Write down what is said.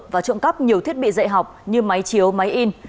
và trộm cắp nhiều thiết bị dạy học như máy chiếu máy in